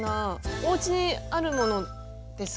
おうちにあるものですかね。